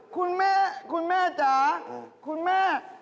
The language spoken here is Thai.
คุณแม่คุณแม่จ๋าคุณแม่